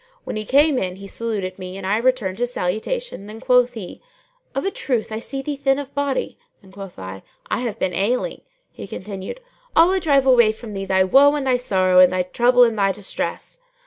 When he came in he saluted me and I returned his salutation; then quoth he, "Of a truth I see thee thin of body;" and quoth I, "I have been ailing." He continued, "Allah drive far away from thee thy woe and thy sorrow and thy trouble and thy distress."